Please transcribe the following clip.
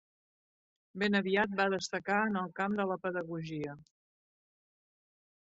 Ben aviat va destacar en el camp de la pedagogia.